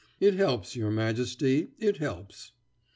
It helps, your Majesty, it helps."